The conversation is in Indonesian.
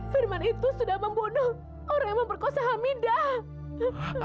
firman itu sudah membunuh orang yang memperkosa hamidah